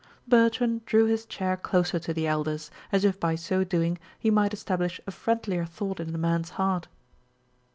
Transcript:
Bertrand drew his chair closer to the Elder's, as if by so doing he might establish a friendlier thought in the man's heart.